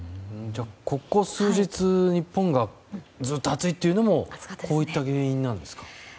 ここ数日日本がずっと暑いというのもこういった原因なんですか？